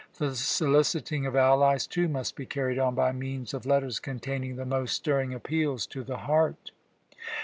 The soliciting of allies, too, must be carried on by means of letters containing the most stirring appeals to the heart.